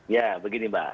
ya begini mbak